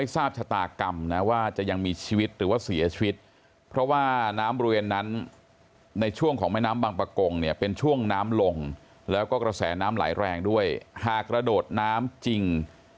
ทราบชะตากรรมนะว่าจะยังมีชีวิตหรือว่าเสียชีวิตเพราะว่าน้ำบริเวณนั้นในช่วงของแม่น้ำบางประกงเนี่ยเป็นช่วงน้ำลงแล้วก็กระแสน้ำไหลแรงด้วยหากกระโดดน้ำจริง